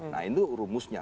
nah itu rumusnya